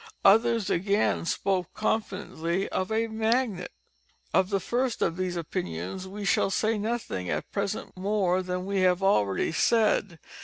Others again, spoke confidently of a magnet. Of the first of these opinions we shall say nothing at present more than we have already said.